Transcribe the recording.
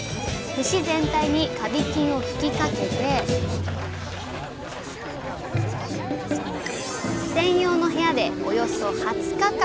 節全体にカビ菌を吹きかけて専用の部屋でおよそ２０日間。